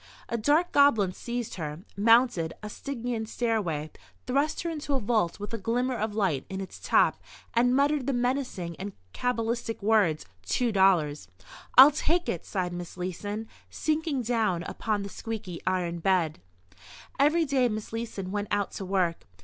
A dark goblin seized her, mounted a Stygian stairway, thrust her into a vault with a glimmer of light in its top and muttered the menacing and cabalistic words "Two dollars!" "I'll take it!" sighed Miss Leeson, sinking down upon the squeaky iron bed. Every day Miss Leeson went out to work.